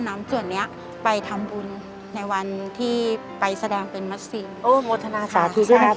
นะครับวันนี้ขอบคุณพี่ขวัญและคุณแม่มากครับ